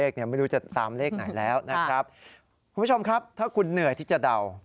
คุณผู้ชมครับถ้าคุณเหนื่อยที่จะเดา